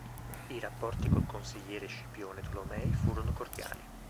I rapporti col consigliere Scipione Tolomei furono cordiali.